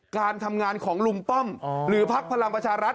การทำงานของลุงป้อมหรือพักพลังประชารัฐ